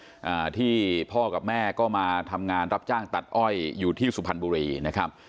อ่าที่พ่อกับแม่ก็มาทำงานรับจ้างตัดอ้อยอยู่ที่สุพรรณบุรีนะครับ